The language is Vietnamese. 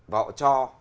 và họ cho